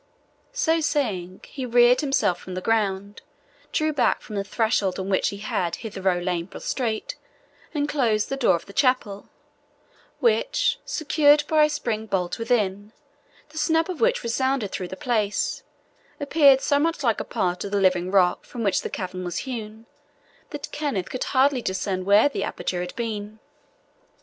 So saying, he reared himself from the ground, drew back from the threshold on which he had hitherto lain prostrate, and closed the door of the chapel, which, secured by a spring bolt within, the snap of which resounded through the place, appeared so much like a part of the living rock from which the cavern was hewn, that Kenneth could hardly discern where the aperture had been.